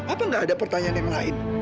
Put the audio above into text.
apa nggak ada pertanyaan yang lain